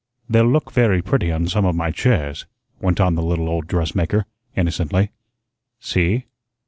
"They'll look very pretty on some of my chairs," went on the little old dressmaker, innocently. "See."